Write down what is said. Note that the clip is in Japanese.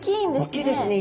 大きいですね。